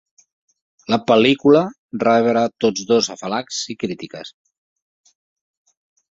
La pel·lícula rebre tots dos afalacs i crítiques.